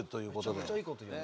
めちゃくちゃいいこと言うね。